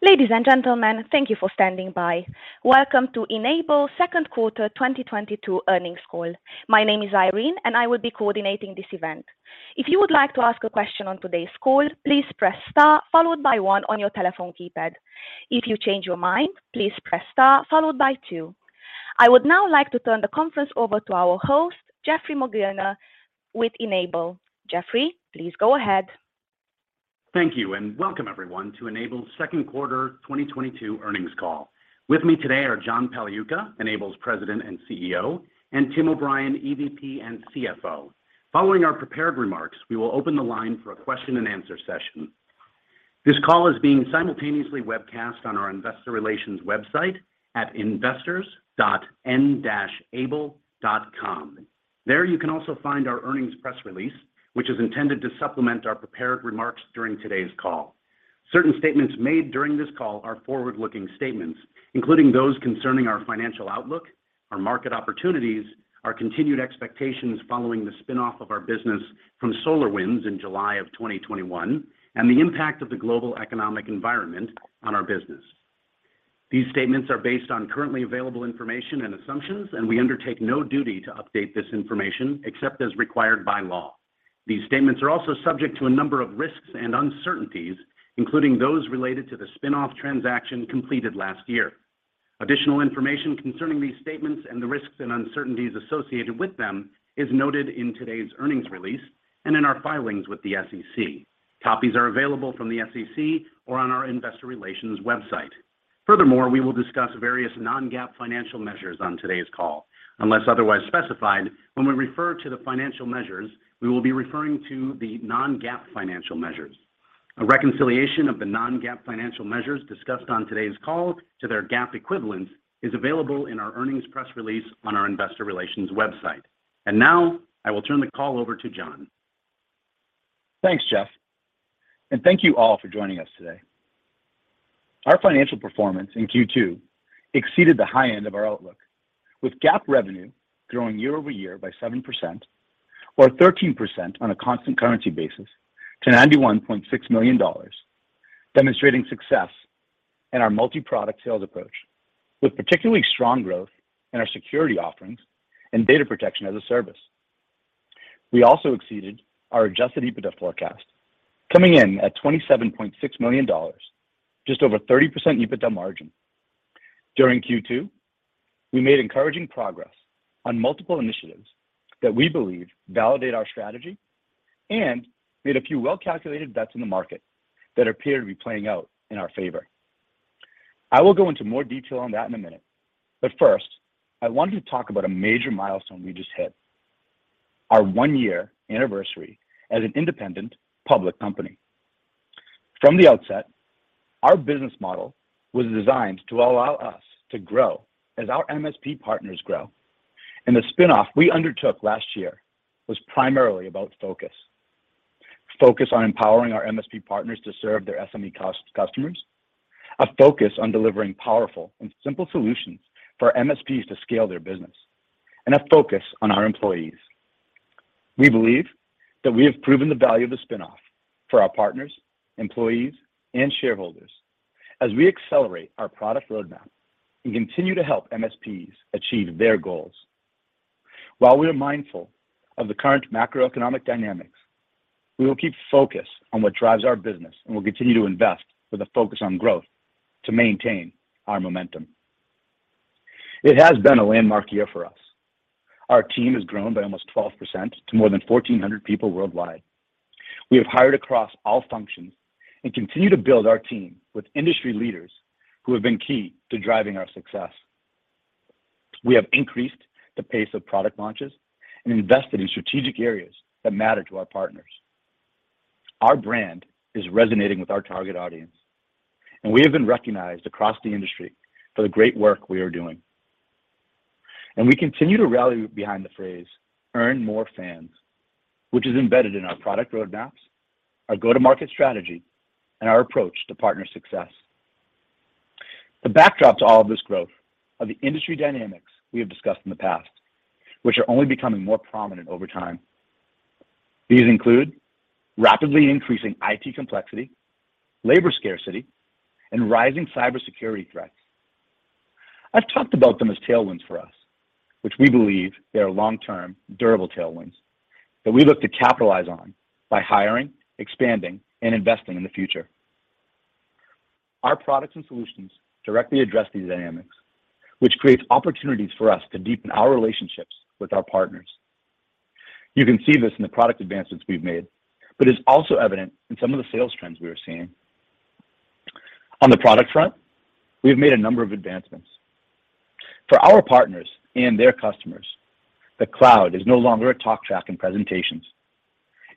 Ladies and gentlemen, thank you for standing by. Welcome to N-able second quarter 2022 earnings call. My name is Irene, and I will be coordinating this event. If you would like to ask a question on today's call, please press star followed by one on your telephone keypad. If you change your mind, please press star followed by two. I would now like to turn the conference over to our host, Geoffrey Mogilner with N-able. Geoffrey, please go ahead. Thank you, and welcome everyone to N-able second quarter 2022 earnings call. With me today are John Pagliuca, N-able's President and CEO, and Tim O'Brien, EVP and CFO. Following our prepared remarks, we will open the line for a question-and-answer session. This call is being simultaneously webcast on our investor relations website at investors.n-able.com. There you can also find our earnings press release, which is intended to supplement our prepared remarks during today's call. Certain statements made during this call are forward-looking statements, including those concerning our financial outlook, our market opportunities, our continued expectations following the spin-off of our business from SolarWinds in July 2021, and the impact of the global economic environment on our business. These statements are based on currently available information and assumptions, and we undertake no duty to update this information except as required by law. These statements are also subject to a number of risks and uncertainties, including those related to the spin-off transaction completed last year. Additional information concerning these statements and the risks and uncertainties associated with them is noted in today's earnings release and in our filings with the SEC. Copies are available from the SEC or on our investor relations website. Furthermore, we will discuss various non-GAAP financial measures on today's call. Unless otherwise specified, when we refer to the financial measures, we will be referring to the non-GAAP financial measures. A reconciliation of the non-GAAP financial measures discussed on today's call to their GAAP equivalents is available in our earnings press release on our investor relations website. Now, I will turn the call over to John. Thanks, Geoff. Thank you all for joining us today. Our financial performance in Q2 exceeded the high end of our outlook, with GAAP revenue growing year-over-year by 7% or 13% on a Constant Currency basis to $91.6 million, demonstrating success in our multi-product sales approach, with particularly strong growth in our security offerings and Data Protection as a Service. We also exceeded our Adjusted EBITDA forecast, coming in at $27.6 million, just over 30% EBITDA margin. During Q2, we made encouraging progress on multiple initiatives that we believe validate our strategy and made a few well-calculated bets in the market that appear to be playing out in our favor. I will go into more detail on that in a minute, but first, I wanted to talk about a major milestone we just hit. Our one-year anniversary as an independent public company. From the outset, our business model was designed to allow us to grow as our MSP partners grow, and the spin-off we undertook last year was primarily about focus. Focus on empowering our MSP partners to serve their SME customers, a focus on delivering powerful and simple solutions for MSPs to scale their business, and a focus on our employees. We believe that we have proven the value of the spin-off for our partners, employees, and shareholders as we accelerate our product roadmap and continue to help MSPs achieve their goals. While we are mindful of the current macroeconomic dynamics, we will keep focused on what drives our business, and we'll continue to invest with a focus on growth to maintain our momentum. It has been a landmark year for us. Our team has grown by almost 12% to more than 1,400 people worldwide. We have hired across all functions and continue to build our team with industry leaders who have been key to driving our success. We have increased the pace of product launches and invested in strategic areas that matter to our partners. Our brand is resonating with our target audience, and we have been recognized across the industry for the great work we are doing. We continue to rally behind the phrase, "Earn more fans," which is embedded in our product roadmaps, our go-to-market strategy, and our approach to partner success. The backdrop to all of this growth are the industry dynamics we have discussed in the past, which are only becoming more prominent over time. These include rapidly increasing IT complexity, labor scarcity, and rising cybersecurity threats. I've talked about them as tailwinds for us, which we believe they are long-term durable tailwinds that we look to capitalize on by hiring, expanding, and investing in the future. Our products and solutions directly address these dynamics, which creates opportunities for us to deepen our relationships with our partners. You can see this in the product advancements we've made, but it's also evident in some of the sales trends we are seeing. On the product front, we have made a number of advancements. For our partners and their customers, the cloud is no longer a talk track in presentations.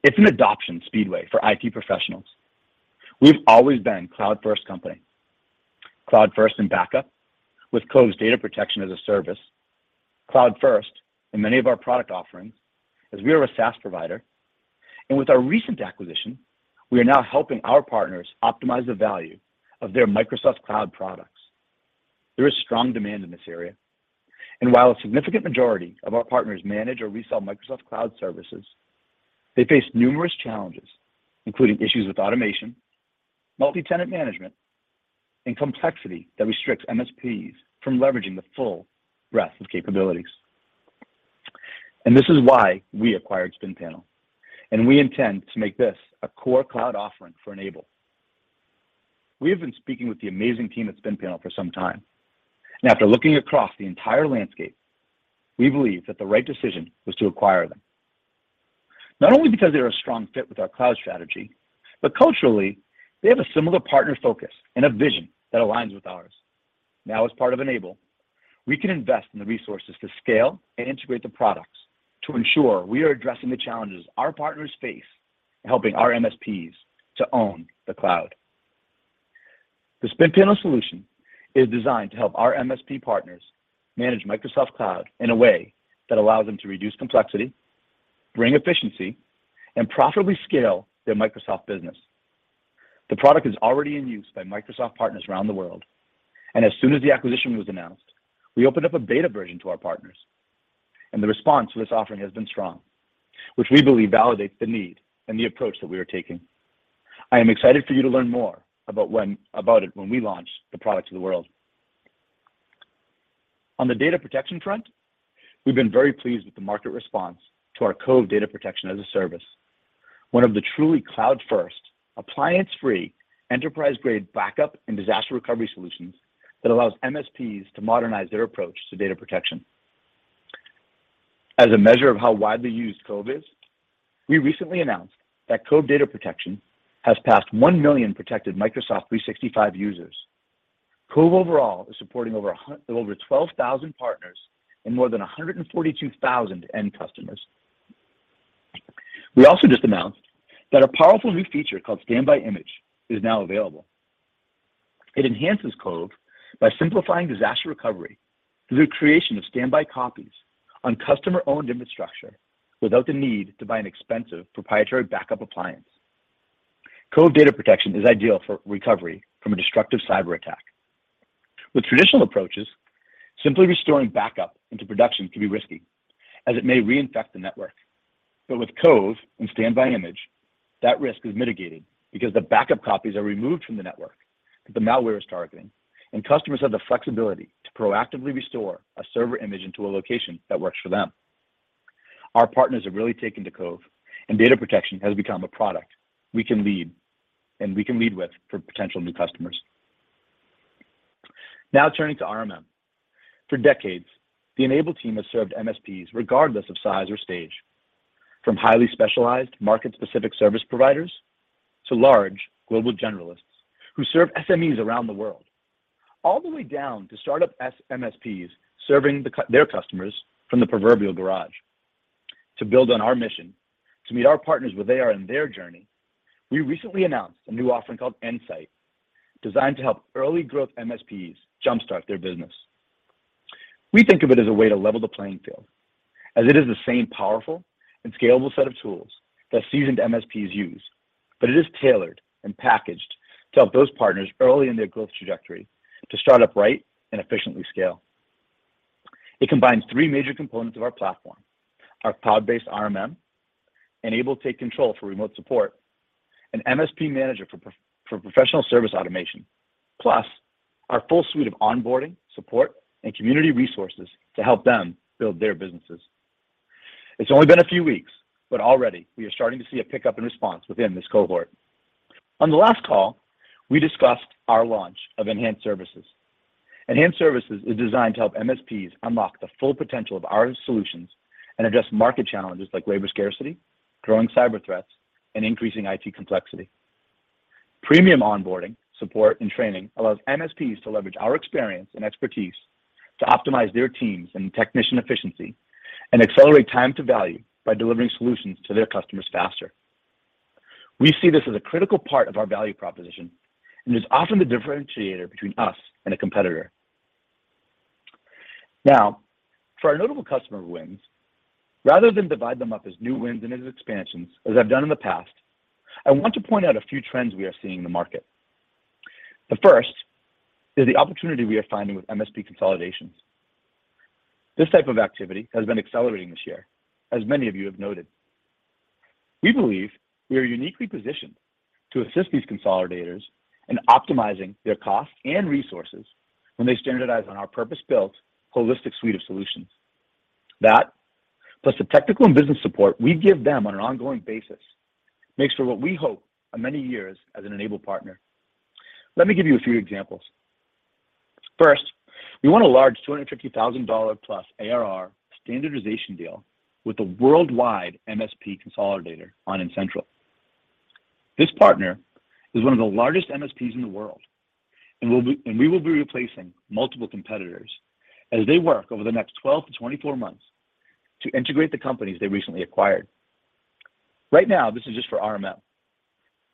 It's an adoption speedway for IT professionals. We've always been a cloud-first company. Cloud-first in backup, with Cove Data Protection as a service. Cloud-first in many of our product offerings, as we are a SaaS provider. With our recent acquisition, we are now helping our partners optimize the value of their Microsoft Cloud products. There is strong demand in this area, and while a significant majority of our partners manage or resell Microsoft Cloud services, they face numerous challenges, including issues with automation, multi-tenant management, and complexity that restricts MSPs from leveraging the full breadth of capabilities. This is why we acquired Spinpanel, and we intend to make this a core cloud offering for N-able. We have been speaking with the amazing team at Spinpanel for some time. After looking across the entire landscape, we believe that the right decision was to acquire them, not only because they're a strong fit with our cloud strategy, but culturally, they have a similar partner focus and a vision that aligns with ours. Now, as part of N-able, we can invest in the resources to scale and integrate the products to ensure we are addressing the challenges our partners face in helping our MSPs to own the cloud. The Spinpanel solution is designed to help our MSP partners manage Microsoft Cloud in a way that allows them to reduce complexity, bring efficiency, and profitably scale their Microsoft business. The product is already in use by Microsoft partners around the world, and as soon as the acquisition was announced, we opened up a beta version to our partners, and the response to this offering has been strong, which we believe validates the need and the approach that we are taking. I am excited for you to learn more about it when we launch the product to the world. On the data protection front, we've been very pleased with the market response to our Cove Data Protection as a service. One of the truly cloud-first, appliance-free, enterprise-grade backup and disaster recovery solutions that allows MSPs to modernize their approach to data protection. As a measure of how widely used Cove is, we recently announced that Cove Data Protection has passed 1 million protected Microsoft 365 users. Cove overall is supporting over 12,000 partners and more than 142,000 end customers. We also just announced that a powerful new feature called Standby Image is now available. It enhances Cove by simplifying disaster recovery through creation of standby copies on customer-owned infrastructure without the need to buy an expensive proprietary backup appliance. Cove Data Protection is ideal for recovery from a destructive cyberattack. With traditional approaches, simply restoring backup into production can be risky as it may reinfect the network. With Cove and Standby Image, that risk is mitigated because the backup copies are removed from the network that the malware is targeting, and customers have the flexibility to proactively restore a server image into a location that works for them. Our partners have really taken to Cove, and data protection has become a product we can lead and we can lead with for potential new customers. Now turning to RMM. For decades, the N-able team has served MSPs regardless of size or stage, from highly specialized market-specific service providers to large global generalists who serve SMEs around the world, all the way down to startup MSPs serving their customers from the proverbial garage. To build on our mission to meet our partners where they are in their journey, we recently announced a new offering called N-sight, designed to help early growth MSPs jumpstart their business. We think of it as a way to level the playing field, as it is the same powerful and scalable set of tools that seasoned MSPs use, but it is tailored and packaged to help those partners early in their growth trajectory to start up right and efficiently scale. It combines three major components of our platform, our cloud-based RMM, N-able Take Control for remote support, and MSP Manager for professional service automation, plus our full suite of onboarding, support, and community resources to help them build their businesses. It's only been a few weeks, but already we are starting to see a pickup in response within this cohort. On the last call, we discussed our launch of enhanced services. Enhanced services is designed to help MSPs unlock the full potential of our solutions and address market challenges like labor scarcity, growing cyber threats, and increasing IT complexity. Premium onboarding, support, and training allows MSPs to leverage our experience and expertise to optimize their teams and technician efficiency and accelerate time to value by delivering solutions to their customers faster. We see this as a critical part of our value proposition, and it's often the differentiator between us and a competitor. Now, for our notable customer wins, rather than divide them up as new wins and as expansions, as I've done in the past, I want to point out a few trends we are seeing in the market. The first is the opportunity we are finding with MSP consolidations. This type of activity has been accelerating this year, as many of you have noted. We believe we are uniquely positioned to assist these consolidators in optimizing their costs and resources when they standardize on our purpose-built, holistic suite of solutions. That, plus the technical and business support we give them on an ongoing basis, makes for what we hope are many years as an N-able partner. Let me give you a few examples. First, we want a large $250,000+ ARR standardization deal with a worldwide MSP consolidator on N-central. This partner is one of the largest MSPs in the world, and we will be replacing multiple competitors as they work over the next 12-24 months to integrate the companies they recently acquired. Right now, this is just for RMM,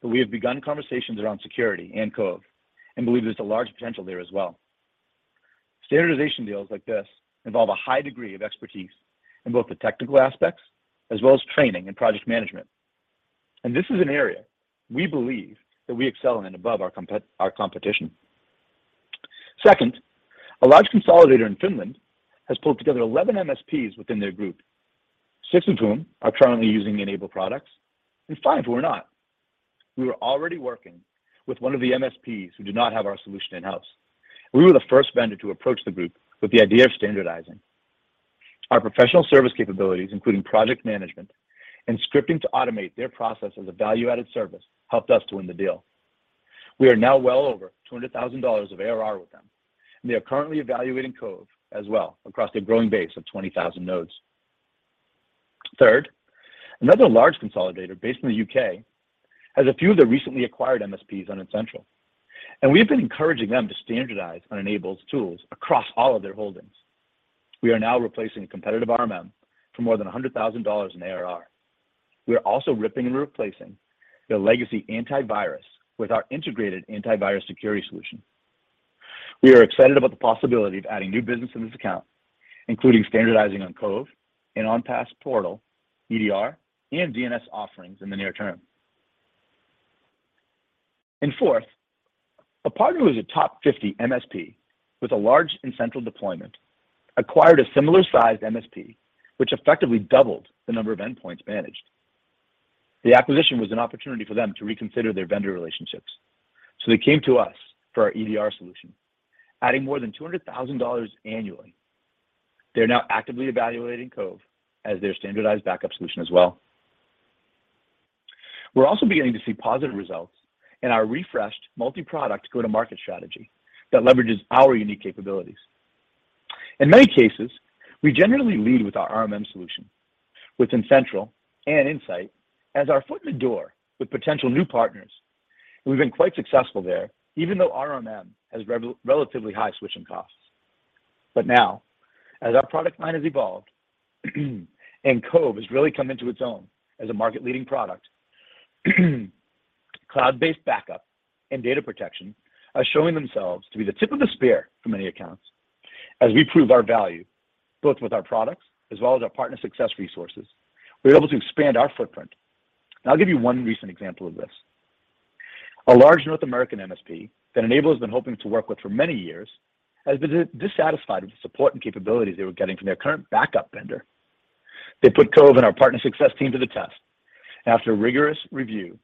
but we have begun conversations around security and Cove and believe there's a large potential there as well. Standardization deals like this involve a high degree of expertise in both the technical aspects as well as training and project management. This is an area we believe that we excel in above our competition. Second, a large consolidator in Finland has pulled together 11 MSPs within their group, six of whom are currently using N-able products, and five who are not. We were already working with one of the MSPs who do not have our solution in-house. We were the first vendor to approach the group with the idea of standardizing. Our professional service capabilities, including project management and scripting to automate their process as a value-added service, helped us to win the deal. We are now well over $200,000 of ARR with them, and they are currently evaluating Cove as well across their growing base of 20,000 nodes. Third, another large consolidator based in the U.K. has a few of their recently acquired MSPs on N-central, and we have been encouraging them to standardize on N-able's tools across all of their holdings. We are now replacing a competitive RMM for more than $100,000 in ARR. We are also ripping and replacing their legacy antivirus with our integrated antivirus security solution. We are excited about the possibility of adding new business in this account, including standardizing on Cove and on Passportal, EDR, and DNS offerings in the near term. Fourth, a partner who is a top 50 MSP with a large N-central deployment acquired a similar-sized MSP, which effectively doubled the number of endpoints managed. The acquisition was an opportunity for them to reconsider their vendor relationships, so they came to us for our EDR solution, adding more than $200,000 annually. They are now actively evaluating Cove as their standardized backup solution as well. We're also beginning to see positive results in our refreshed multi-product go-to-market strategy that leverages our unique capabilities. In many cases, we generally lead with our RMM solution with N-central and N-sight as our foot in the door with potential new partners, and we've been quite successful there, even though RMM has relatively high switching costs. Now, as our product line has evolved and Cove has really come into its own as a market-leading product, cloud-based backup and data protection are showing themselves to be the tip of the spear for many accounts. As we prove our value, both with our products as well as our partner success resources, we are able to expand our footprint. I'll give you one recent example of this. A large North American MSP that N-able has been hoping to work with for many years has been dissatisfied with the support and capabilities they were getting from their current backup vendor. They put Cove and our partner success team to the test. After a rigorous review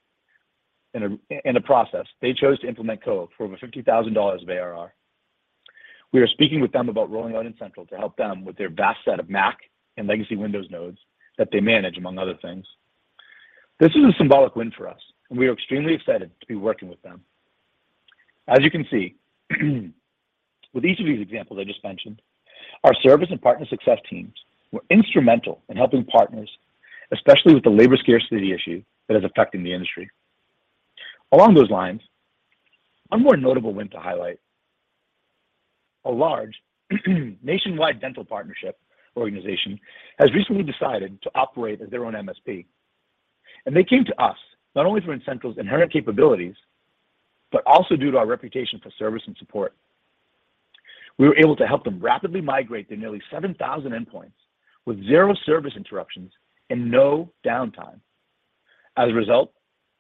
and a process, they chose to implement Cove for over $50,000 of ARR. We are speaking with them about rolling out N-central to help them with their vast set of Mac and legacy Windows nodes that they manage, among other things. This is a symbolic win for us, and we are extremely excited to be working with them. As you can see, with each of these examples I just mentioned, our service and partner success teams were instrumental in helping partners, especially with the labor scarcity issue that is affecting the industry. Along those lines, one more notable win to highlight. A large nationwide dental partnership organization has recently decided to operate as their own MSP, and they came to us not only for N-central's inherent capabilities, but also due to our reputation for service and support. We were able to help them rapidly migrate their nearly 7,000 endpoints with zero service interruptions and no downtime. As a result,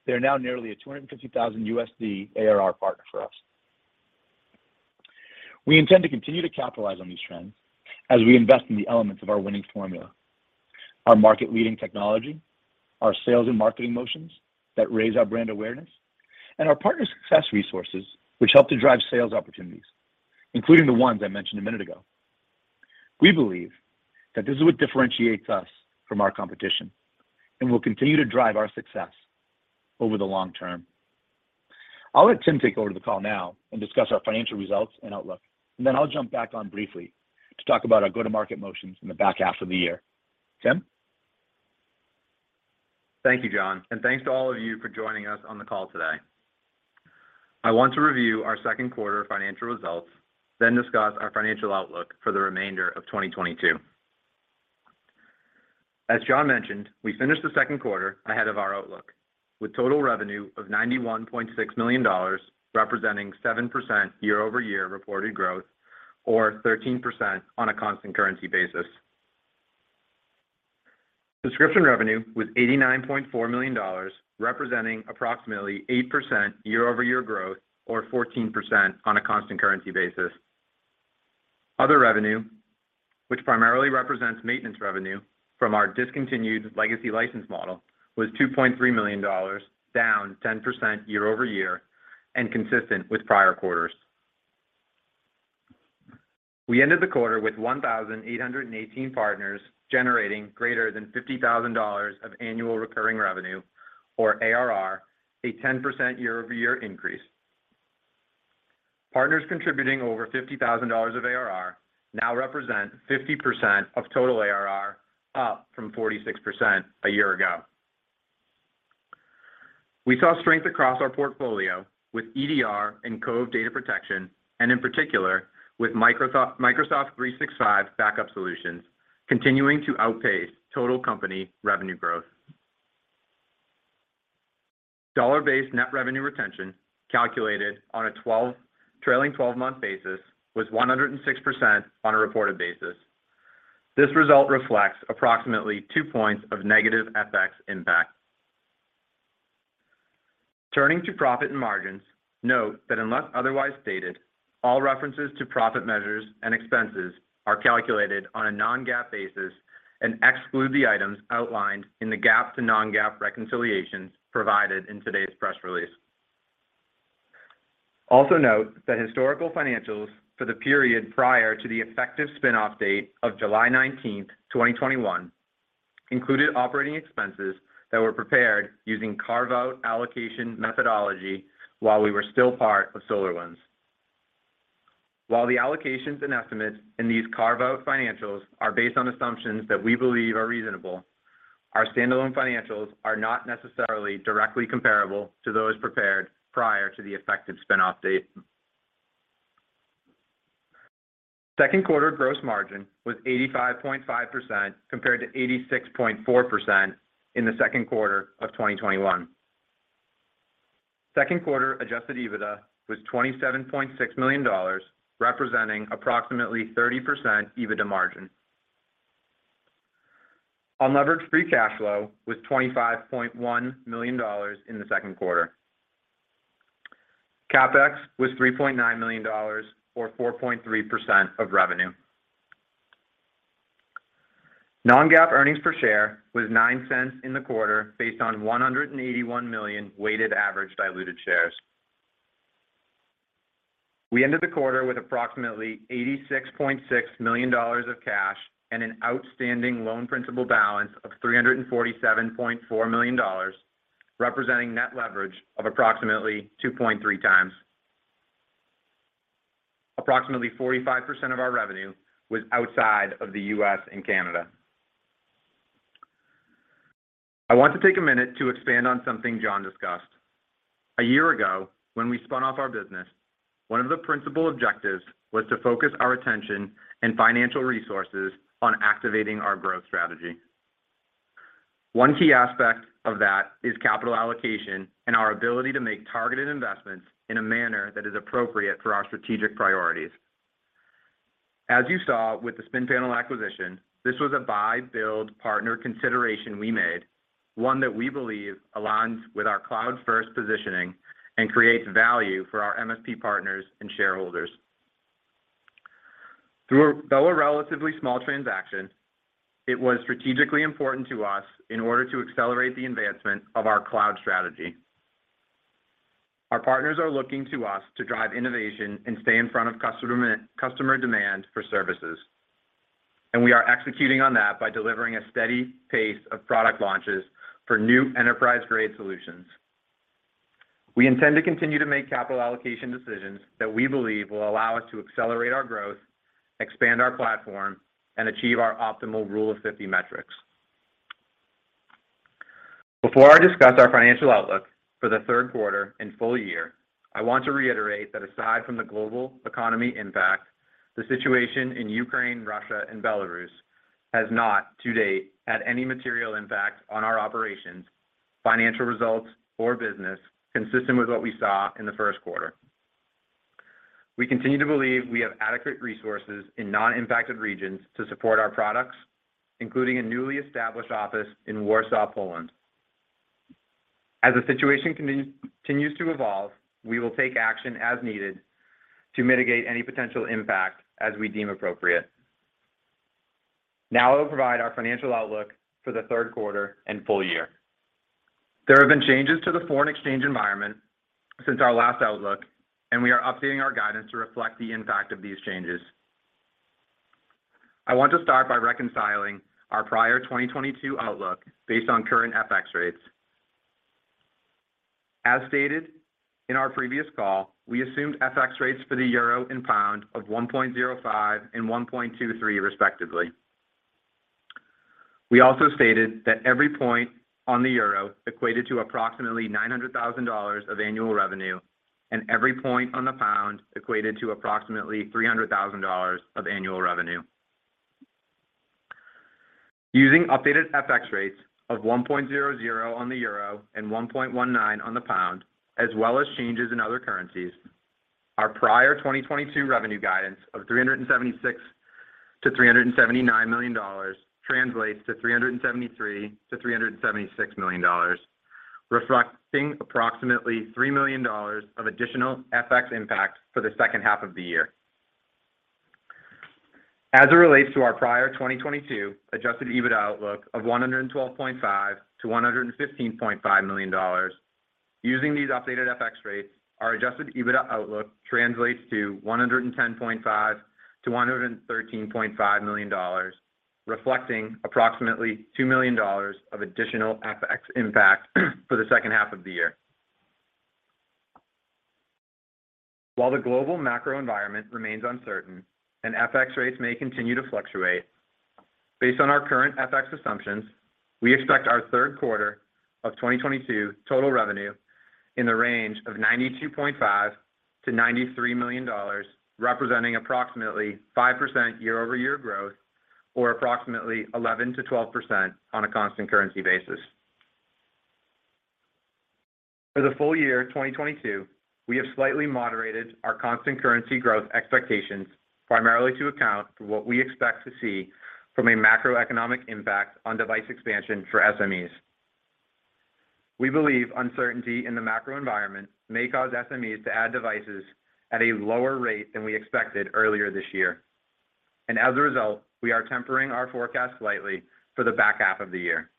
they are now nearly a $250,000 ARR partner for us. We intend to continue to capitalize on these trends as we invest in the elements of our winning formula, our market-leading technology, our sales and marketing motions that raise our brand awareness, and our partner success resources, which help to drive sales opportunities, including the ones I mentioned a minute ago. We believe that this is what differentiates us from our competition and will continue to drive our success over the long term. I'll let Tim take over the call now and discuss our financial results and outlook, and then I'll jump back on briefly to talk about our go-to-market motions in the back half of the year. Tim? Thank you, John, and thanks to all of you for joining us on the call today. I want to review our second quarter financial results, then discuss our financial outlook for the remainder of 2022. As John mentioned, we finished the second quarter ahead of our outlook with total revenue of $91.6 million, representing 7% year-over-year reported growth, or 13% on a constant currency basis. Subscription revenue was $89.4 million, representing approximately 8% year-over-year growth, or 14% on a constant currency basis. Other revenue, which primarily represents maintenance revenue from our discontinued legacy license model, was $2.3 million, down 10% year-over-year and consistent with prior quarters. We ended the quarter with 1,818 partners generating greater than $50,000 of Annual Recurring Revenue or ARR, a 10% year-over-year increase. Partners contributing over $50,000 of ARR now represent 50% of total ARR, up from 46% a year ago. We saw strength across our portfolio with EDR and Cove Data Protection, and in particular with Microsoft 365 backup solutions continuing to outpace total company revenue growth. Dollar-based net revenue retention calculated on a trailing 12-month basis was 106% on a reported basis. This result reflects approximately 2 points of negative FX impact. Turning to profit and margins, note that unless otherwise stated, all references to profit measures and expenses are calculated on a non-GAAP basis and exclude the items outlined in the GAAP to non-GAAP reconciliations provided in today's press release. Note that historical financials for the period prior to the effective spin-off date of July 19, 2021 included operating expenses that were prepared using carve-out allocation methodology while we were still part of SolarWinds. While the allocations and estimates in these carve-out financials are based on assumptions that we believe are reasonable, our standalone financials are not necessarily directly comparable to those prepared prior to the effective spin-off date. Second quarter gross margin was 85.5% compared to 86.4% in the second quarter of 2021. Second quarter Adjusted EBITDA was $27.6 million, representing approximately 30% EBITDA margin. Unlevered free cash flow was $25.1 million in the second quarter. CapEx was $3.9 million or 4.3% of revenue. non-GAAP earnings per share was $0.09 in the quarter based on 181 million weighted average diluted shares. We ended the quarter with approximately $86.6 million of cash and an outstanding loan principal balance of $347.4 million, representing net leverage of approximately 2.3 times. Approximately 45% of our revenue was outside of the US and Canada. I want to take a minute to expand on something John discussed. A year ago, when we spun off our business, one of the principal objectives was to focus our attention and financial resources on activating our growth strategy. One key aspect of that is capital allocation and our ability to make targeted investments in a manner that is appropriate for our strategic priorities. As you saw with the Spinpanel acquisition, this was a buy, build, partner consideration we made, one that we believe aligns with our cloud-first positioning and creates value for our MSP partners and shareholders. Though a relatively small transaction, it was strategically important to us in order to accelerate the advancement of our cloud strategy. Our partners are looking to us to drive innovation and stay in front of customer demand for services, and we are executing on that by delivering a steady pace of product launches for new enterprise-grade solutions. We intend to continue to make capital allocation decisions that we believe will allow us to accelerate our growth, expand our platform, and achieve our optimal Rule of 50 metrics. Before I discuss our financial outlook for the third quarter and full year, I want to reiterate that aside from the global economic impact, the situation in Ukraine, Russia, and Belarus has not to date had any material impact on our operations, financial results, or business consistent with what we saw in the first quarter. We continue to believe we have adequate resources in non-impacted regions to support our products, including a newly established office in Warsaw, Poland. As the situation continues to evolve, we will take action as needed to mitigate any potential impact as we deem appropriate. Now I will provide our financial outlook for the third quarter and full year. There have been changes to the foreign exchange environment since our last outlook, and we are updating our guidance to reflect the impact of these changes. I want to start by reconciling our prior 2022 outlook based on current FX rates. As stated in our previous call, we assumed FX rates for the euro and pound of 1.05 and 1.23 respectively. We also stated that every point on the euro equated to approximately $900,000 of annual revenue, and every point on the pound equated to approximately $300,000 of annual revenue. Using updated FX rates of 1.00 on the euro and 1.19 on the pound, as well as changes in other currencies, our prior 2022 revenue guidance of $376 million-$379 million translates to $373 million-$376 million, reflecting approximately $3 million of additional FX impact for the second half of the year. As it relates to our prior 2022 Adjusted EBITDA outlook of $112.5 million-$115.5 million, using these updated FX rates, our Adjusted EBITDA outlook translates to $110.5 million-$113.5 million, reflecting approximately $2 million of additional FX impact for the second half of the year. While the global macro environment remains uncertain and FX rates may continue to fluctuate, based on our current FX assumptions, we expect our third quarter of 2022 total revenue in the range of $92.5 million-$93 million, representing approximately 5% year-over-year growth, or approximately 11%-12% on a constant currency basis. For the full year 2022, we have slightly moderated our constant currency growth expectations primarily to account for what we expect to see from a macroeconomic impact on device expansion for SMEs. We believe uncertainty in the macro environment may cause SMEs to add devices at a lower rate than we expected earlier this year, and as a result, we are tempering our forecast slightly for the back half of the year.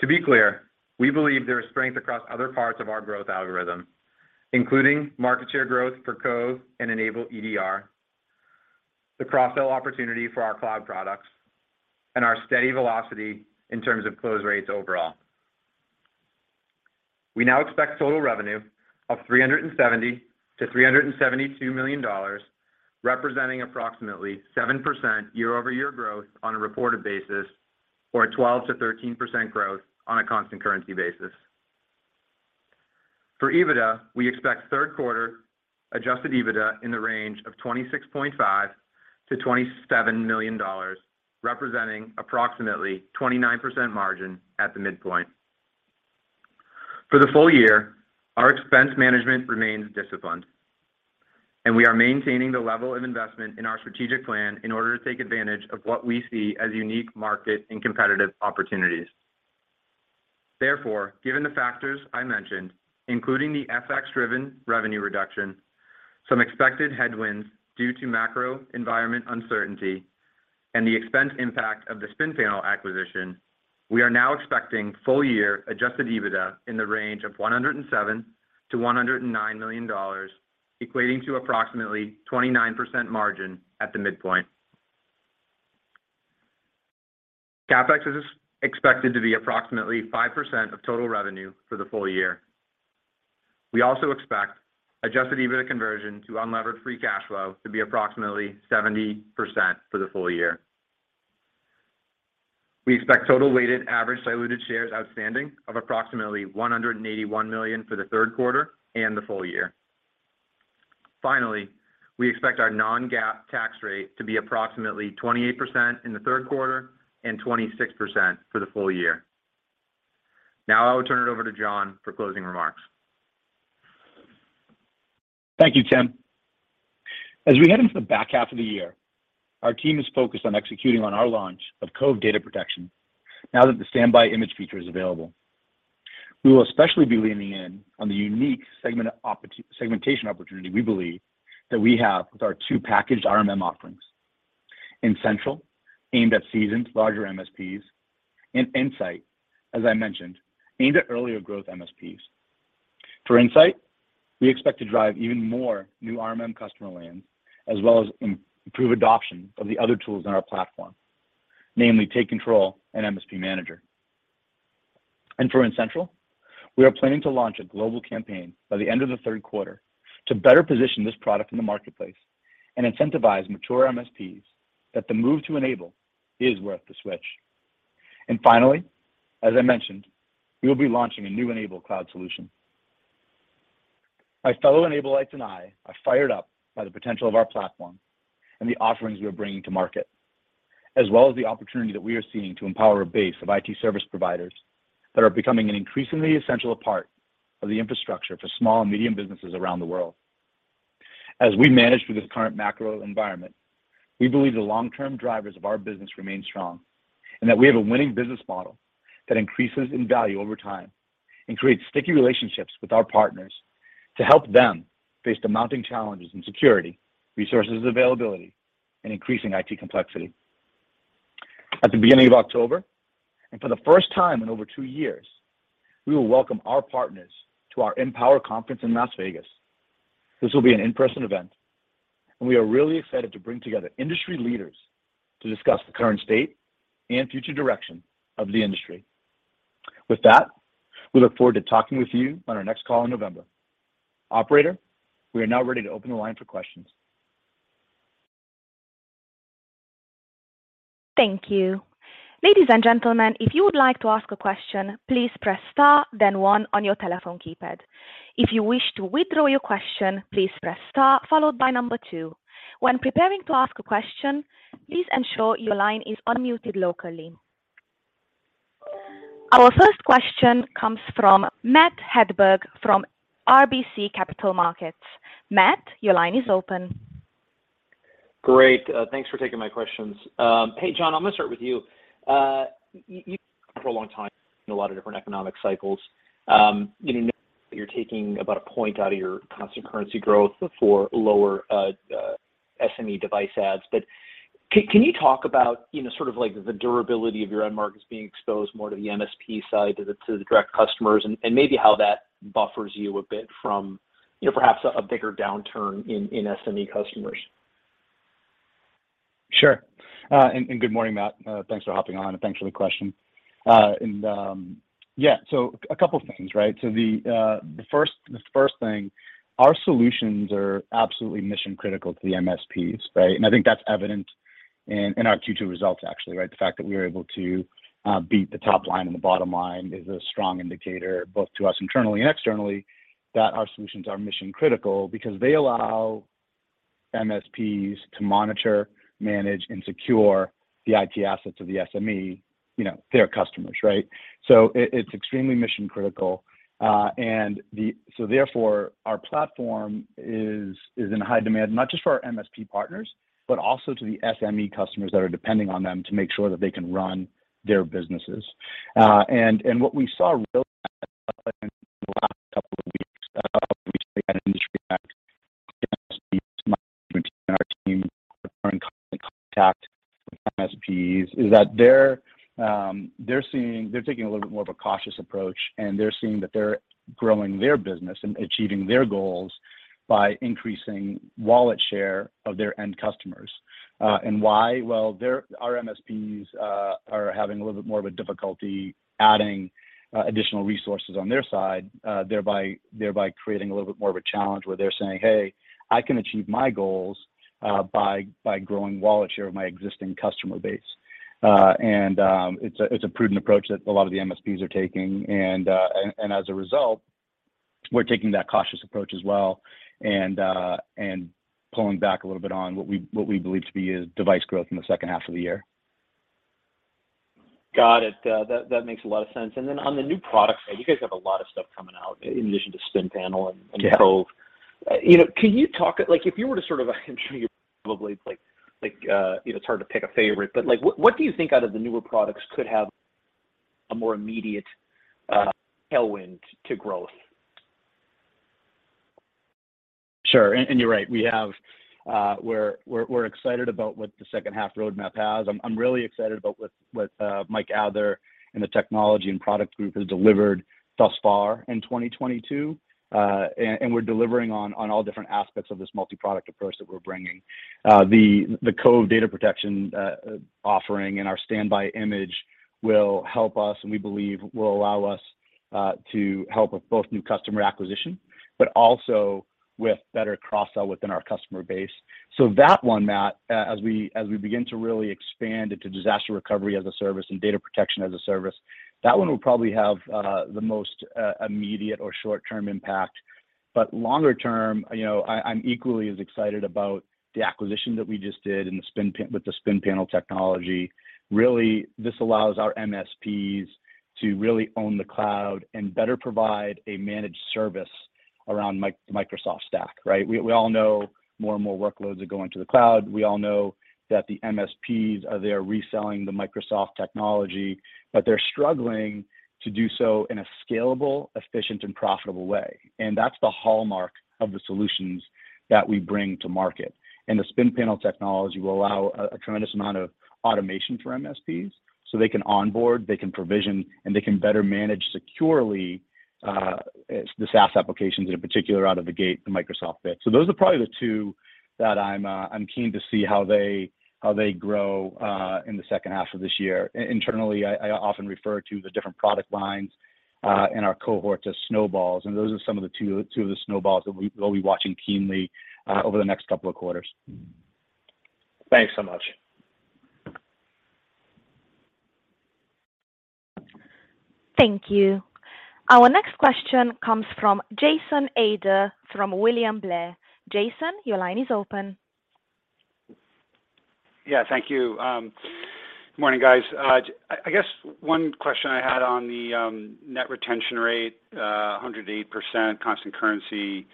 To be clear, we believe there is strength across other parts of our growth algorithm, including market share growth for Cove and N-able EDR, the cross-sell opportunity for our cloud products, and our steady velocity in terms of close rates overall. We now expect total revenue of $370 million-$372 million, representing approximately 7% year-over-year growth on a reported basis, or a 12%-13% growth on a constant currency basis. For EBITDA, we expect third quarter Adjusted EBITDA in the range of $26.5 million-$27 million, representing approximately 29% margin at the midpoint. For the full year, our expense management remains disciplined, and we are maintaining the level of investment in our strategic plan in order to take advantage of what we see as unique market and competitive opportunities. Therefore, given the factors I mentioned, including the FX-driven revenue reduction, some expected headwinds due to macro environment uncertainty, and the expense impact of the Spinpanel acquisition, we are now expecting full-year Adjusted EBITDA in the range of $107 million-$109 million, equating to approximately 29% margin at the midpoint. CapEx is expected to be approximately 5% of total revenue for the full year. We also expect Adjusted EBITDA conversion to Unlevered Free Cash Flow to be approximately 70% for the full year. We expect total weighted average diluted shares outstanding of approximately 181 million for the third quarter and the full year. Finally, we expect our non-GAAP tax rate to be approximately 28% in the third quarter and 26% for the full year. Now, I will turn it over to John for closing remarks. Thank you, Tim. As we head into the back half of the year, our team is focused on executing on our launch of Cove Data Protection now that the Standby Image feature is available. We will especially be leaning in on the unique segmentation opportunity we believe that we have with our two packaged RMM offerings. N-central, aimed at seasoned larger MSPs, and N-sight, as I mentioned, aimed at earlier growth MSPs. For N-sight, we expect to drive even more new RMM customer lands, as well as improve adoption of the other tools in our platform, namely Take Control and MSP Manager. For N-central, we are planning to launch a global campaign by the end of the third quarter to better position this product in the marketplace and incentivize mature MSPs that the move to N-able is worth the switch. Finally, as I mentioned, we will be launching a new N-able cloud solution. My fellow N-ablites and I are fired up by the potential of our platform and the offerings we are bringing to market, as well as the opportunity that we are seeing to empower a base of IT service providers that are becoming an increasingly essential part of the infrastructure for small and medium businesses around the world. As we manage through this current macro environment, we believe the long-term drivers of our business remain strong, and that we have a winning business model that increases in value over time and creates sticky relationships with our partners to help them face the mounting challenges in security, resources availability, and increasing IT complexity. At the beginning of October, for the first time in over two years, we will welcome our partners to our Empower Conference in Las Vegas. This will be an in-person event, and we are really excited to bring together industry leaders to discuss the current state and future direction of the industry. With that, we look forward to talking with you on our next call in November. Operator, we are now ready to open the line for questions. Thank you. Ladies and gentlemen, if you would like to ask a question, please press star then one on your telephone keypad. If you wish to withdraw your question, please press star followed by number two. When preparing to ask a question, please ensure your line is unmuted locally. Our first question comes from Matt Hedberg from RBC Capital Markets. Matt, your line is open. Great. Thanks for taking my questions. Hey, John, I'm gonna start with you. You've been for a long time in a lot of different economic cycles. You know, you're taking a point out of your constant currency growth for lower SME device adds, but can you talk about, you know, sort of like the durability of your end markets being exposed more to the MSP side, to the direct customers, and maybe how that buffers you a bit from, you know, perhaps a bigger downturn in SME customers? Sure. Good morning, Matt. Thanks for hopping on, and thanks for the question. Yeah. A couple of things, right? The first thing, our solutions are absolutely mission-critical to the MSPs, right? I think that's evident in our Q2 results actually, right? The fact that we were able to beat the top line and the bottom line is a strong indicator, both to us internally and externally, that our solutions are mission-critical because they allow MSPs to monitor, manage, and secure the IT assets of the SME, you know, their customers, right? It's extremely mission-critical, and therefore, our platform is in high demand, not just for our MSP partners, but also to the SME customers that are depending on them to make sure that they can run their businesses. What we saw really in the last couple of weeks, we see in the industry, MSPs our team are in constant contact with MSPs, is that they're taking a little bit more of a cautious approach, and they're seeing that they're growing their business and achieving their goals by increasing wallet share of their end customers. Why? Well, our MSPs are having a little bit more of a difficulty adding additional resources on their side, thereby creating a little bit more of a challenge where they're saying, "Hey, I can achieve my goals by growing wallet share of my existing customer base." It's a prudent approach that a lot of the MSPs are taking, and as a result, we're taking that cautious approach as well and pulling back a little bit on what we believe to be is device growth in the second half of the year. Got it. That makes a lot of sense. On the new product side, you guys have a lot of stuff coming out in addition to Spinpanel and Cove. You know, can you talk, like, if you were to sort of, I'm sure you probably like, you know, it's hard to pick a favorite, but, like, what do you think out of the newer products could have a more immediate tailwind to growth? Sure. You're right. We're excited about what the second half roadmap has. I'm really excited about what Mike Adler in the technology and product group has delivered thus far in 2022. We're delivering on all different aspects of this multi-product approach that we're bringing. The Cove Data Protection offering and our Standby Image will help us, and we believe will allow us to help with both new customer acquisition, but also with better cross-sell within our customer base. That one, Matt, as we begin to really expand into Disaster Recovery as a Service and Data Protection as a Service, that one will probably have the most immediate or short-term impact. Longer term, you know, I'm equally as excited about the acquisition that we just did with the Spinpanel technology. Really, this allows our MSPs to really own the cloud and better provide a managed service around Microsoft Stack, right? We all know more and more workloads are going to the cloud. We all know that the MSPs are there reselling the Microsoft technology, but they're struggling to do so in a scalable, efficient, and profitable way. That's the hallmark of the solutions that we bring to market. The Spinpanel technology will allow a tremendous amount of automation for MSPs so they can onboard, they can provision, and they can better manage securely the SaaS applications in particular out of the gate, the Microsoft bit. Those are probably the two that I'm keen to see how they grow in the second half of this year. Internally, I often refer to the different product lines and our cohort as snowballs, and those are two of the snowballs that we'll be watching keenly over the next couple of quarters. Thanks so much. Thank you. Our next question comes from Jason Ader from William Blair. Jason, your line is open. Yeah, thank you. Good morning, guys. I guess one question I had on the net retention rate, 108% constant currency,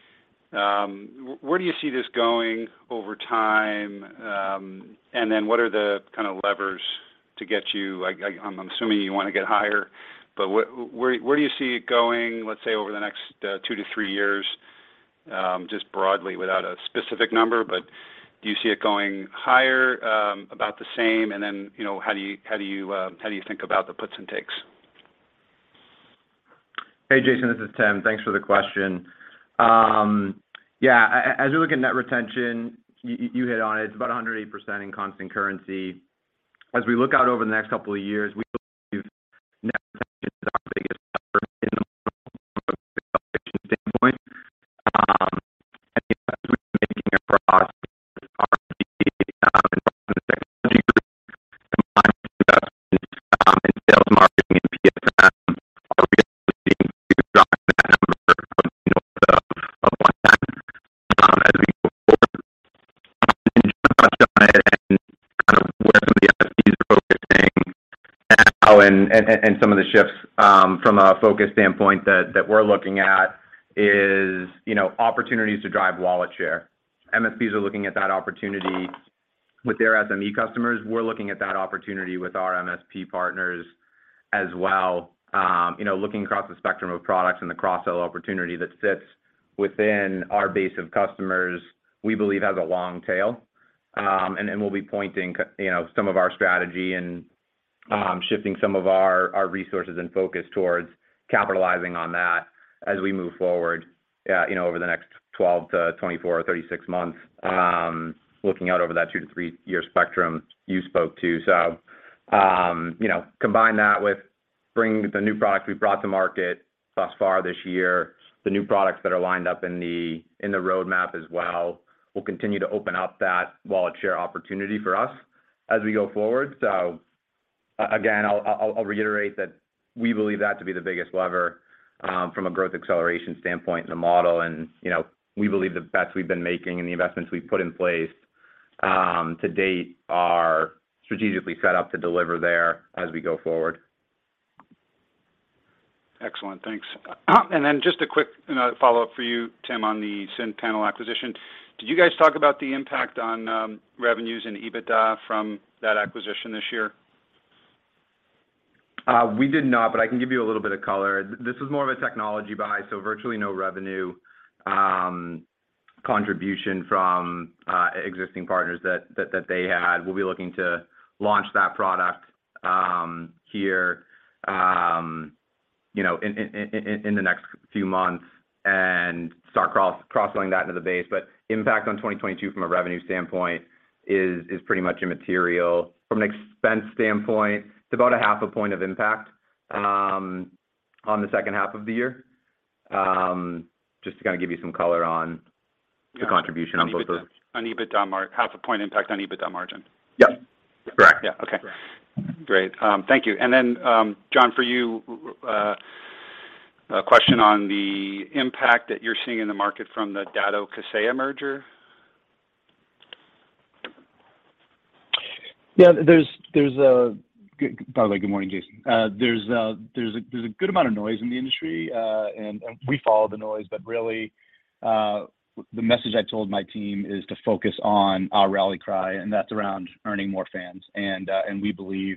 where do you see this going over time? What are the kind of levers to get you, like, I'm assuming you wanna get higher, but where do you see it going, let's say, over the next two-three years, just broadly without a specific number? Do you see it going higher, about the same? You know, how do you think about the puts and takes? Hey, Jason, this is Tim. Thanks for the question. As we look at net retention, you hit on it. It's about 108% in constant currency. As we look out over the next couple of years, we believe net retention is our biggest lever in the model from a scale standpoint. As we've been making across R&D and from the technology group, combined with investments in sales, marketing, and PSM, we are seeing bigger pop in that number from, you know, the 100s as we move forward. Just touching on it and kind of where some of the MSPs are focusing now and some of the shifts from a focus standpoint that we're looking at is, you know, opportunities to drive wallet share. MSPs are looking at that opportunity with their SME customers. We're looking at that opportunity with our MSP partners as well. You know, looking across the spectrum of products and the cross-sell opportunity that sits within our base of customers, we believe has a long tail. We'll be pointing, you know, some of our strategy and shifting some of our resources and focus towards capitalizing on that as we move forward, you know, over the next 12-24 or 36 months, looking out over that two-three year spectrum you spoke to. You know, combine that with bringing the new products we've brought to market thus far this year, the new products that are lined up in the roadmap as well, we'll continue to open up that wallet share opportunity for us as we go forward. So I'll reiterate that we believe that to be the biggest lever from a growth acceleration standpoint in the model. You know, we believe the bets we've been making and the investments we've put in place to date are strategically set up to deliver there as we go forward. Excellent. Thanks. Just a quick, you know, follow-up for you, Tim, on the Spinpanel acquisition. Did you guys talk about the impact on revenues and EBITDA from that acquisition this year? We did not, but I can give you a little bit of color. This was more of a technology buy, so virtually no revenue contribution from existing partners that they had. We'll be looking to launch that product here, you know, in the next few months and start cross-selling that into the base. Impact on 2022 from a revenue standpoint is pretty much immaterial. From an expense standpoint, it's about a half a point of impact on the second half of the year. Just to kinda give you some color on the contribution on both those. On EBITDA, half a point impact on EBITDA margin. Yep. Correct. Yeah, okay. Great. Thank you. John, for you, a question on the impact that you're seeing in the market from the Datto Kaseya merger. Yeah. There's a. By the way, good morning, Jason. There's a good amount of noise in the industry, and we follow the noise. Really, the message I told my team is to focus on our rally cry, and that's around earning more fans. We believe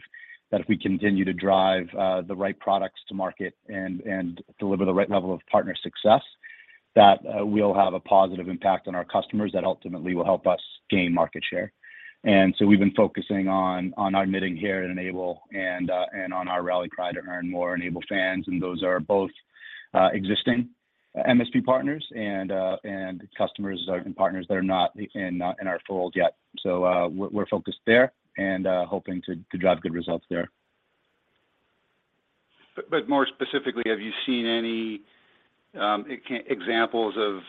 that if we continue to drive the right products to market and deliver the right level of partner success, that we'll have a positive impact on our customers that ultimately will help us gain market share. We've been focusing on our knitting here at N-able and on our rally cry to earn more N-able fans, and those are both existing MSP partners and customers, and partners that are not in our fold yet. We're focused there and hoping to drive good results there. More specifically, have you seen any examples of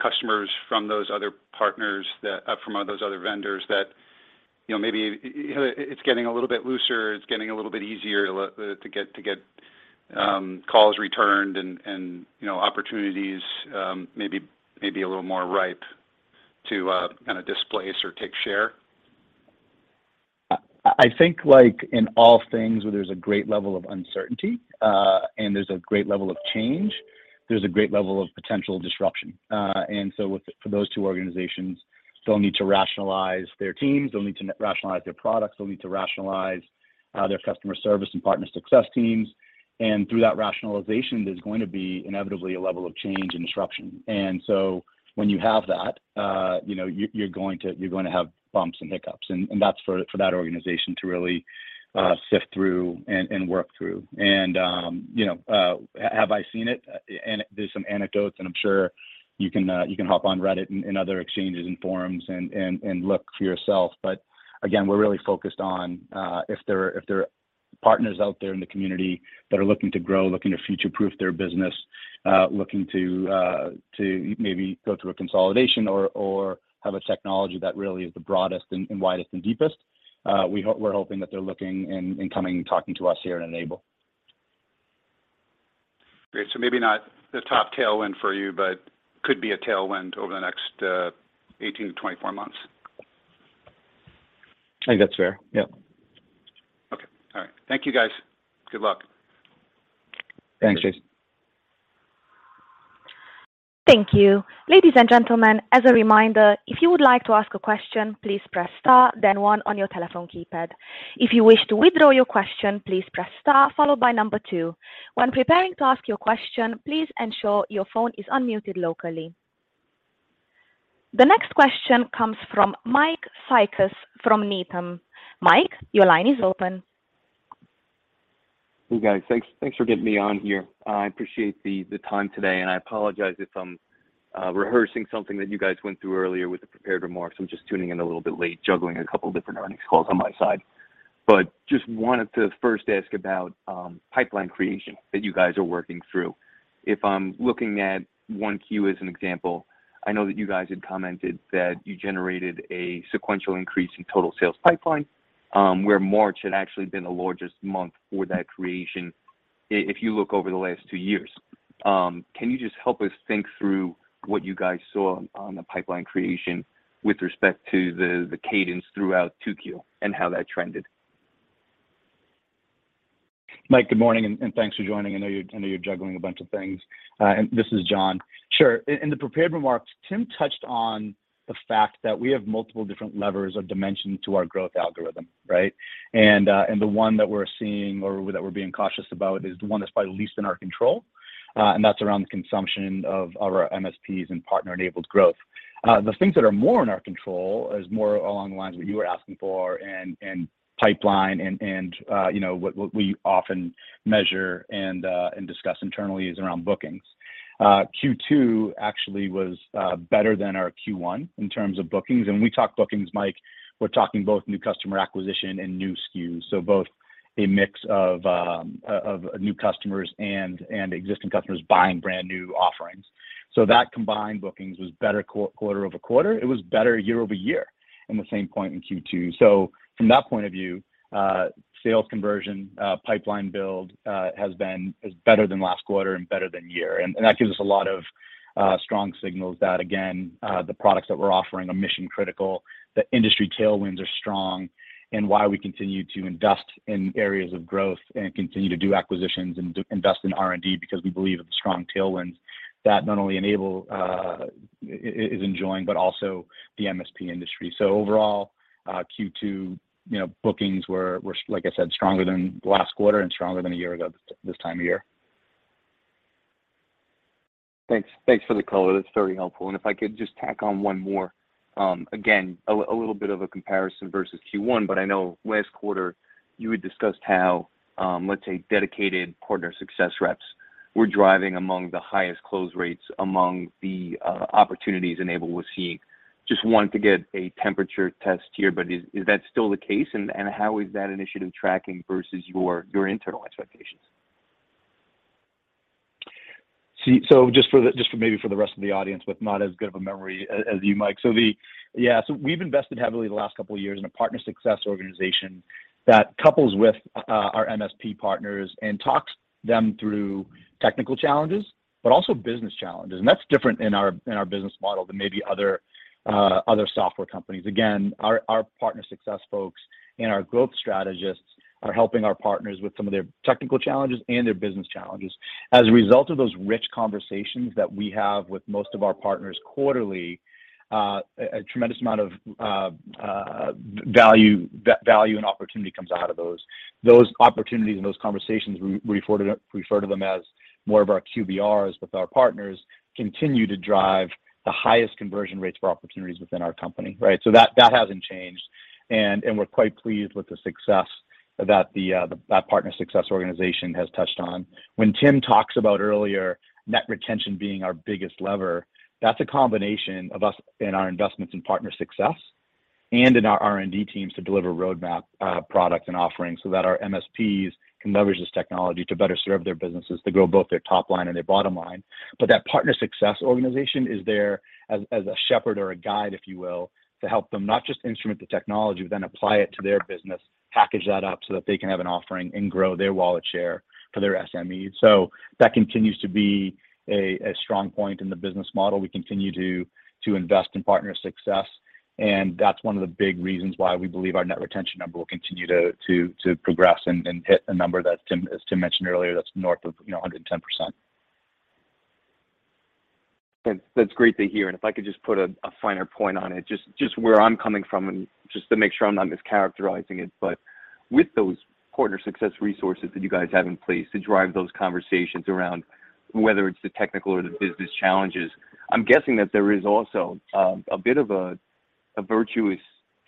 customers from those other vendors that, you know, maybe it's getting a little bit looser, it's getting a little bit easier to get calls returned and, you know, opportunities, maybe a little more ripe to kinda displace or take share? I think like in all things where there's a great level of uncertainty, and there's a great level of change, there's a great level of potential disruption. For those two organizations, they'll need to rationalize their teams, they'll need to rationalize their products, they'll need to rationalize their customer service and partner success teams. Through that rationalization, there's going to be inevitably a level of change and disruption. When you have that, you know, you're going to have bumps and hiccups, and that's for that organization to really sift through and work through. Have I seen it? There's some anecdotes, and I'm sure you can hop on Reddit and other exchanges and forums and look for yourself. Again, we're really focused on if there are partners out there in the community that are looking to grow, looking to future-proof their business, looking to maybe go through a consolidation or have a technology that really is the broadest and widest and deepest. We're hoping that they're looking and coming and talking to us here at N-able. Great. Maybe not the top tailwind for you, but could be a tailwind over the next 18-24 months. I think that's fair. Yep. Okay. All right. Thank you, guys. Good luck. Thanks, Jason. Thank you. Ladies and gentlemen, as a reminder, if you would like to ask a question, please press star then one on your telephone keypad. If you wish to withdraw your question, please press star followed by number two. When preparing to ask your question, please ensure your phone is unmuted locally. The next question comes from Mike Cikos from Needham. Mike, your line is open. Hey, guys. Thanks for getting me on here. I appreciate the time today, and I apologize if I'm rehearsing something that you guys went through earlier with the prepared remarks. I'm just tuning in a little bit late, juggling a couple different earnings calls on my side. Just wanted to first ask about pipeline creation that you guys are working through. If I'm looking at 1Q as an example, I know that you guys had commented that you generated a sequential increase in total sales pipeline, where March had actually been the largest month for that creation if you look over the last two years. Can you just help us think through what you guys saw on the pipeline creation with respect to the cadence throughout 2Q and how that trended? Mike, good morning, and thanks for joining. I know you're juggling a bunch of things. This is John. Sure. In the prepared remarks, Tim touched on the fact that we have multiple different levers of dimension to our growth algorithm, right? The one that we're seeing or that we're being cautious about is the one that's probably least in our control, and that's around the consumption of our MSPs and partner-enabled growth. The things that are more in our control is more along the lines what you were asking for and pipeline and, you know, what we often measure and discuss internally is around bookings. Q2 actually was better than our Q1 in terms of bookings. We talk bookings, Mike, we're talking both new customer acquisition and new SKUs, so both a mix of new customers and existing customers buying brand-new offerings. So that combined bookings was better quarter-over-quarter. It was better year-over-year in the same point in Q2. From that point of view, sales conversion, pipeline build, has been better than last quarter and better than year. That gives us a lot of strong signals that again, the products that we're offering are mission-critical, the industry tailwinds are strong and why we continue to invest in areas of growth and continue to do acquisitions and to invest in R&D because we believe in the strong tailwinds that not only N-able is enjoying, but also the MSP industry. Overall, Q2, you know, bookings were, like I said, stronger than last quarter and stronger than a year ago this time of year. Thanks. Thanks for the color. That's very helpful. If I could just tack on one more, again, a little bit of a comparison versus Q1, but I know last quarter you had discussed how, let's say, dedicated partner success reps were driving among the highest close rates among the opportunities N-able was seeing. Just wanted to get a temperature test here, but is that still the case and how is that initiative tracking versus your internal expectations? Just for maybe the rest of the audience with not as good of a memory as you, Mike. We've invested heavily the last couple of years in a partner success organization that couples with our MSP partners and talks them through technical challenges, but also business challenges. That's different in our business model than maybe other software companies. Again, our partner success folks and our growth strategists are helping our partners with some of their technical challenges and their business challenges. As a result of those rich conversations that we have with most of our partners quarterly, a tremendous amount of value and opportunity comes out of those. Those opportunities and those conversations, we refer to them as more of our QBRs, but our partners continue to drive the highest conversion rates for opportunities within our company, right? That hasn't changed. We're quite pleased with the success that the partner success organization has touched on. When Tim talks about earlier net retention being our biggest lever, that's a combination of us and our investments in partner success and in our R&D teams to deliver roadmap products and offerings so that our MSPs can leverage this technology to better serve their businesses, to grow both their top line and their bottom line. That partner success organization is there as a shepherd or a guide, if you will, to help them not just instrument the technology, but then apply it to their business, package that up so that they can have an offering and grow their wallet share for their SMEs. That continues to be a strong point in the business model. We continue to invest in partner success, and that's one of the big reasons why we believe our net retention number will continue to progress and hit a number that Tim, as Tim mentioned earlier, that's north of, you know, 110%. That's great to hear. If I could just put a finer point on it, just where I'm coming from and just to make sure I'm not mischaracterizing it, but with those partner success resources that you guys have in place to drive those conversations around whether it's the technical or the business challenges, I'm guessing that there is also a bit of a virtuous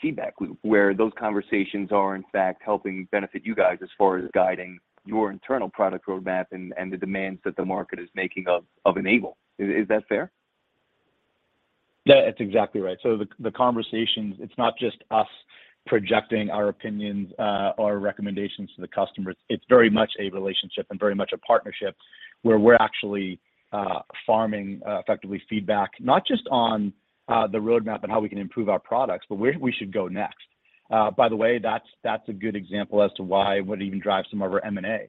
feedback loop where those conversations are in fact helping benefit you guys as far as guiding your internal product roadmap and the demands that the market is making of N-able. Is that fair? Yeah, that's exactly right. The conversations, it's not just us projecting our opinions or recommendations to the customers. It's very much a relationship and very much a partnership where we're actually farming effectively feedback, not just on the roadmap and how we can improve our products, but where we should go next. By the way, that's a good example as to why what even drives some of our M&A.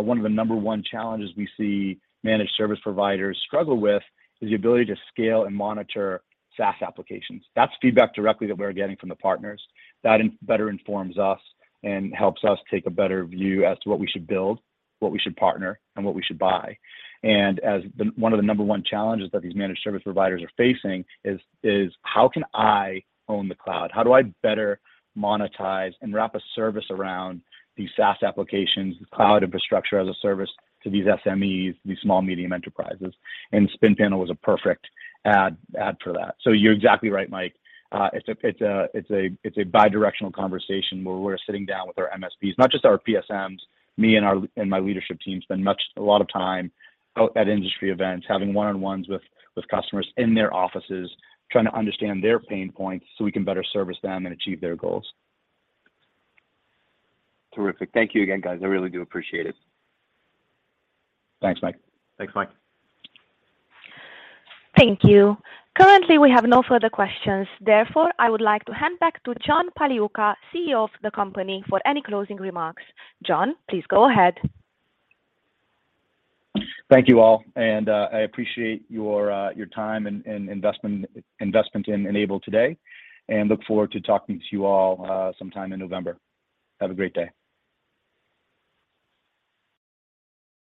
One of the number one challenges we see managed service providers struggle with is the ability to scale and monitor SaaS applications. That's feedback directly that we're getting from the partners. That better informs us and helps us take a better view as to what we should build, what we should partner, and what we should buy. One of the number one challenges that these managed service providers are facing is how can I own the cloud? How do I better monetize and wrap a service around these SaaS applications, cloud infrastructure as a service to these SMEs, these small, medium enterprises? Spinpanel was a perfect ad for that. You're exactly right, Mike. It's a bidirectional conversation where we're sitting down with our MSPs, not just our PSMs. My leadership team spend a lot of time out at industry events, having one-on-ones with customers in their offices, trying to understand their pain points so we can better service them and achieve their goals. Terrific. Thank you again, guys. I really do appreciate it. Thanks, Mike. Thanks, Mike. Thank you. Currently, we have no further questions. Therefore, I would like to hand back to John Pagliuca, CEO of the company, for any closing remarks. John, please go ahead. Thank you all. I appreciate your time and investment in N-able today, and look forward to talking to you all sometime in November. Have a great day.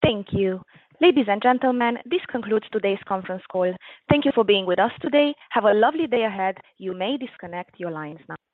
Thank you. Ladies and gentlemen, this concludes today's conference call. Thank you for being with us today. Have a lovely day ahead. You may disconnect your lines now.